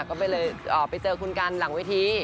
ก็เลยไปเจอคุณกันหลังเวที